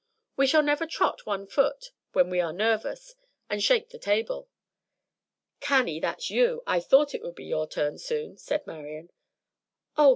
We shall never trot one foot when we are nervous, and shake the table." "Cannie, that's you. I thought it would be your turn soon," said Marian. "Oh!